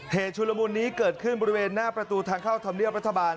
ชุลมุนนี้เกิดขึ้นบริเวณหน้าประตูทางเข้าธรรมเนียบรัฐบาล